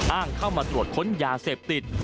อ้างเข้ามาตรวจค้นยาเสพติด